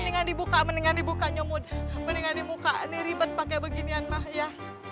mendingan dibuka mendingan dibuka nyemut mendingan dibuka ini ribet pakai beginian mah ya